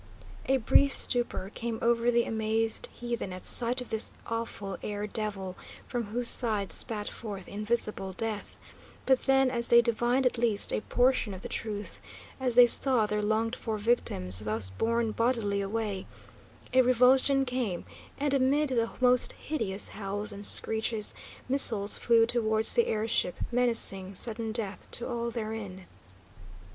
A brief stupor came over the amazed heathen at sight of this awful air devil from whose sides spat forth invisible death; but then, as they divined at least a portion of the truth, as they saw their longed for victims thus borne bodily away, a revulsion came, and, amid the most hideous howls and screeches, missiles flew towards the air ship, menacing sudden death to all therein.